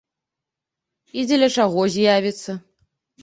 І дзеля чаго з'явіцца.